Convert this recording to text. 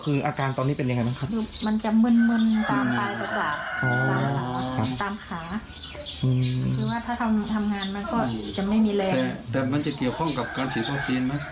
เราก็ไม่อยากเล็งเพราะว่าหมอเขาไม่ได้ฟังพงษ์